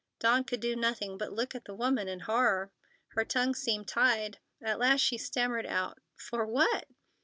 Dawn could do nothing but look at the woman in horror. Her tongue seemed tied. At last she stammered out: "For what?"